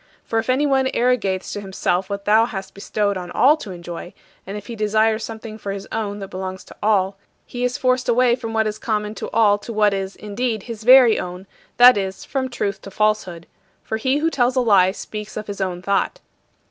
For if anyone arrogates to himself what thou hast bestowed on all to enjoy, and if he desires something for his own that belongs to all, he is forced away from what is common to all to what is, indeed, his very own that is, from truth to falsehood. For he who tells a lie speaks of his own thought.